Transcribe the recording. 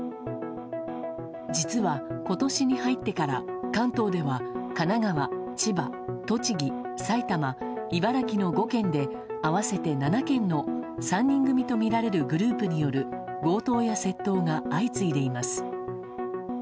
実は、今年に入ってから関東では神奈川、千葉、栃木、埼玉茨城の５件で合わせて７県の３人組とみられるグループによる強盗や窃盗が相次いでいます。